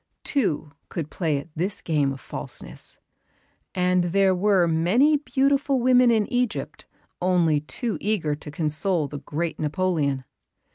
Two could play at this game of falseness; and there were many beautiful women in Egypt only too eager to console the great Napoleon.